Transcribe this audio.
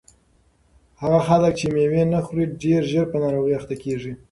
هغه خلک چې مېوې نه خوري ډېر ژر په ناروغیو اخته کیږي.